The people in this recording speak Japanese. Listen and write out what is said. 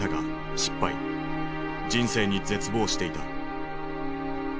人生に絶望していた。